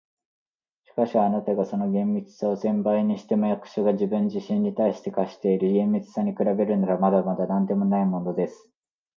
「しかし、あなたがその厳密さを千倍にしても、役所が自分自身に対して課している厳密さに比べるなら、まだまだなんでもないものです。